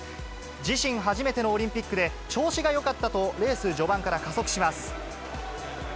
自身初めてのオリンピックで、調子がよかったと、レース序盤から加速します。